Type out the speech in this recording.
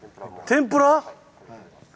天ぷら？